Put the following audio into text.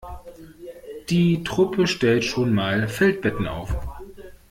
Die Truppe stellt schon mal Feldbetten auf.